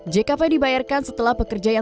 jkp dibayarkan setelah pekerjaan